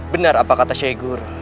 benar apa kata syekh guru